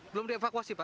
belum dievakuasi pak